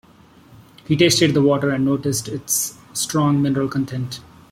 He tasted the water and noticed its strong mineral content.